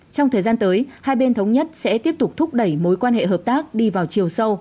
trong thời gian tới hai bên thống nhất sẽ tiếp tục thúc đẩy mối quan hệ hợp tác đi vào chiều sâu